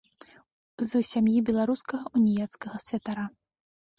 З сям'і беларускага уніяцкага святара.